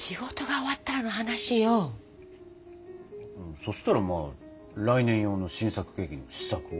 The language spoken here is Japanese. そしたらまあ来年用の新作ケーキの試作を。